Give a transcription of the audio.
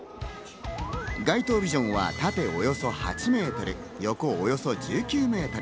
街頭ビジョンは縦およそ８ｍ、横およそ１９ｍ。